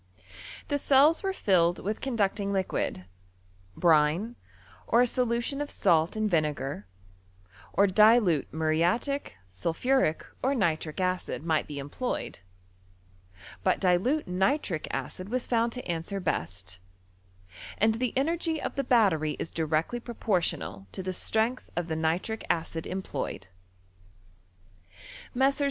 The cells were filled with conducting liquid : brine, or a scdution of salt in vinegar, or dilute muriatic, sulphuric, or nitric acid, might be employed ; but dilute nitric acid was ibnnd to answer best, and the energy of the battery is directly proportional to the strength of the nitric »eid ipioyed* or £L£CTRO Cn£Ml8T&Y. 255 Messrs.